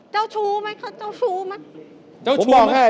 เจ้าชู้ไหมเขาเจ้าชู้มั้ย